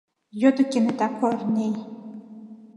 — йодо кенета Кӧрнеи.